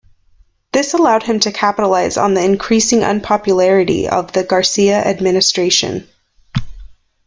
This allowed him to capitalize on the increasing unpopularity of the Garcia administration.